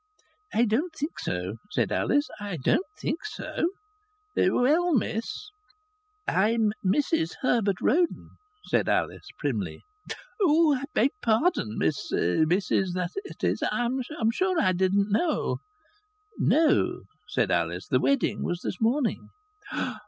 "I don't think so," said Alice. "I don't think so." "Well, miss " "I'm Mrs Herbert Roden," said Alice, primly. "Oh! I beg pardon, miss Mrs, that is I'm sure. I didn't know " "No," said Alice. "The wedding was this morning."